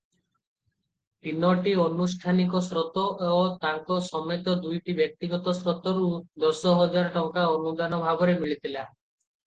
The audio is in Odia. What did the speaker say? ତିନୋଟି ଆନୁଷ୍ଠାନିକ ସ୍ରୋତ ଓ ତାଙ୍କ ସମେତ ଦୁଇଟି ବ୍ୟକ୍ତିଗତ ସ୍ରୋତରୁ ଦଶହଜାର ଟଙ୍କା ଅନୁଦାନ ଭାବରେ ମିଳିଥିଲା ।